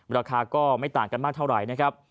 ราคาก็ไม่ต่างกันมากเท่าไหร่นะครับ